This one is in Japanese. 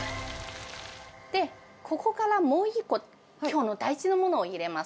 で、ここからもう１個、きょうの大事なものを入れます。